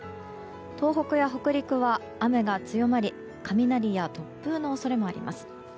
東北や北陸は雨が強まり雷や突風の恐れもあります。